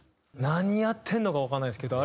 何やってんのかわかんないですけど